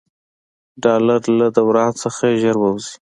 ډالر له دوران څخه ژر ووځي.